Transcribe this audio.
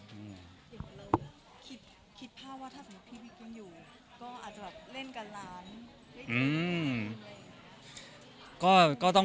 คิดภาพว่าถ้าสมมติพี่กิ้มอยู่ก็อาจจะเล่นกับร้าน